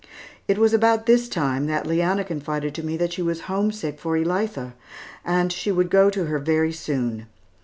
It was about this time, that Leanna confided to me that she was homesick for Elitha, and she would go to her very soon.